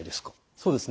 そうですね